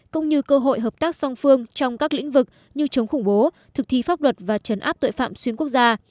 cũng như cơ hội hợp tác song phương trong các lĩnh vực như chống khủng bố thực thi pháp luật và chấn áp tội phạm xuyên quốc gia